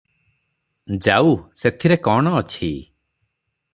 ଯାଉ, ସେଥିରେ କଣ ଅଛି?